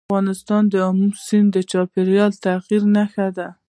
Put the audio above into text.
افغانستان کې آمو سیند د چاپېریال د تغیر نښه ده.